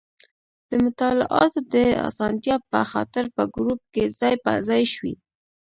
د مطالعاتو د اسانتیا په خاطر په ګروپ کې ځای په ځای شوي.